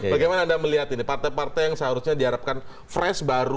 bagaimana anda melihat ini partai partai yang seharusnya diharapkan fresh baru